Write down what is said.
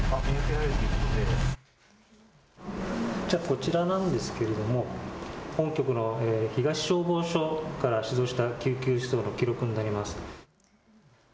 こちらなんですけれども本局の東消防署から出動した救急出動の記録になります。